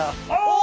お！